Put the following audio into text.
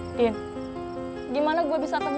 aku mau ke rumah